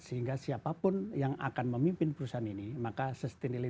sehingga siapapun yang akan memimpin perusahaan ini maka sustainally